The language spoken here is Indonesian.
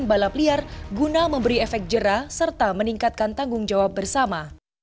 dan balap liar guna memberi efek jerah serta meningkatkan tanggung jawab bersama